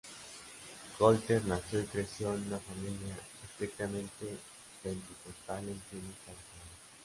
Colter nació y creció en una familia estrictamente pentecostal en Phoenix, Arizona.